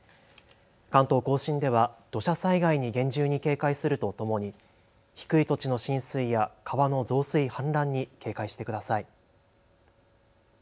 関東甲信では土砂災害に厳重に警戒するとともに低い土地の浸水や川の増水、氾濫に警戒してください。